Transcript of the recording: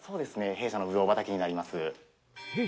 弊社のブドウ畑になります。